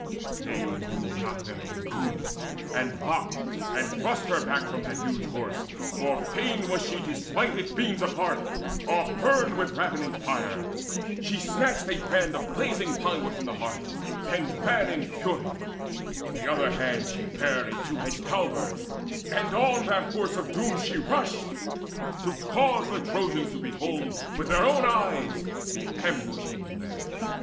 They knew not their own doom, And mocked, and thrust her back from that huge Horse For fain she was to smite its beams apart, Or burn with ravening fire. She snatched a brand Of blazing pine wood from the hearth and ran In fury: in the other hand she bare A two edged halberd: on that Horse of Doom She rushed, to cause the Trojans to behold With their own eyes the ambush hidden there.